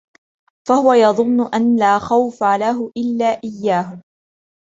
فَهُوَ يَظُنُّ أَنْ لَا خَوْفَ لَهُ إلَّا إيَّاهُ